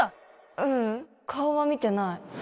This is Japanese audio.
ううん顔は見てない